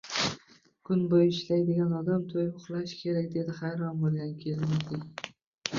Kun bo`yi ishlaydigan odam to`yib uxlashi kerak, dedi hayron bo`lgan keliniga